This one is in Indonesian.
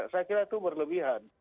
saya kira itu berlebihan